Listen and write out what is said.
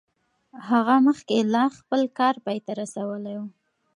هغه مخکې لا خپل کار پای ته رسولی و.